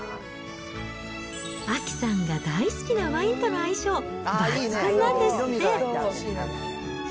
亜紀さんが大好きなワインとの相性抜群なんですって。